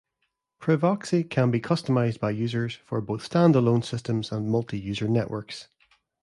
Privoxy can be customized by users, for both stand-alone systems and multi-user networks.